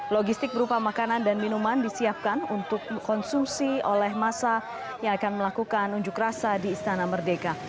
logistik berupa makanan dan minuman disiapkan untuk konsumsi oleh masa yang akan melakukan unjuk rasa di istana merdeka